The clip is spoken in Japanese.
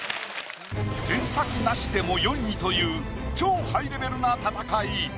添削なしでも４位という超ハイレベルな戦い。